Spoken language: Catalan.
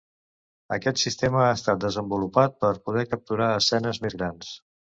Aquest sistema ha estat desenvolupat per poder capturar escenes més grans.